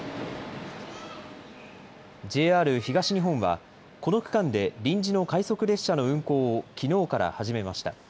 ＪＲ東日本は、この区間で臨時の快速列車の運行をきのうから始めました。